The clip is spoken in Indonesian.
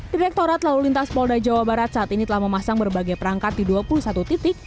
direktorat lalu lintas polda jawa barat saat ini telah memasang berbagai perangkat di dua puluh satu titik